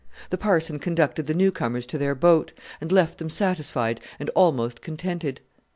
The Parson conducted the new comers to their boat, and left them satisfied and almost contented.